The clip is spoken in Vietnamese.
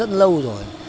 rất lâu rồi